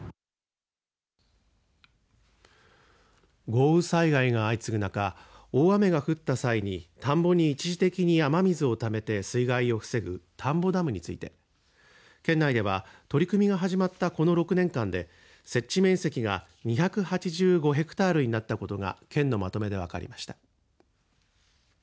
豪雨災害が相次ぐ中大雨が降った際に田んぼに一時的に雨水をためて水害を防ぐ、田んぼダムについて県内では取り組みが始まったこの６年間で設置面積が２８５ヘクタールになったことが県のまとめで分かりました。